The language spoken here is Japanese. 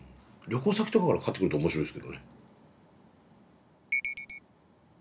旅行先とかからかかってくると面白いですけどね。